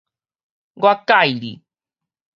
我佮意你